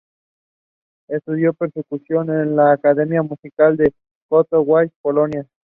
Estudió percusión en la academia musical de Katowice, Polonia.